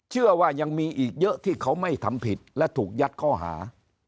เชื่อว่ายังมีอีกเยอะที่เขาไม่ทำผิดและถูกยัดข้อหา